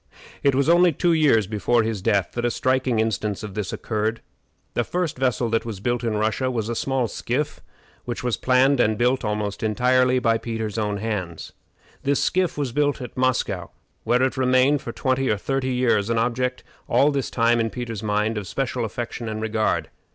It was only two years before his death that a striking instance of this occurred. The first vessel that was built in Russia was a small skiff, which was planned and built almost entirely by Peter's own hands. This skiff was built at Moscow, where it remained for twenty or thirty years, an object all this time, in Peter's mind, of special affection and regard.